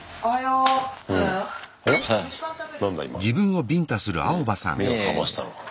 うん目を覚ましたのかな。